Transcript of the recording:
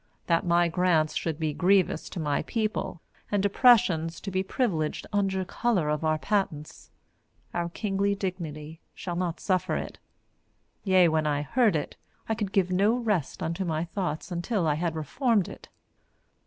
That my grants should be grievous to my people and oppressions to be privileged under colour of our patents, our kingly dignity shall not suffer it. Yea, when I heard it, I could give no rest unto my thoughts until I had reformed it.